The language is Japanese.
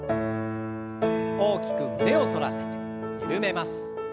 大きく胸を反らせてゆるめます。